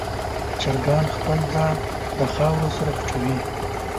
چرګان خپل ځان د خاورو سره پټوي.